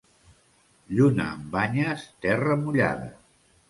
Lluna amb banyes, terra mullada.